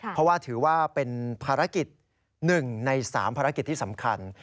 เพราะว่าถือว่าเป็นภารกิจ๑ใน๓ภารกิจที่สำคัญ